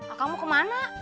akang mau kemana